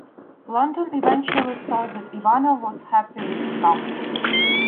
London eventually saw that Ivana was happy with Scamp.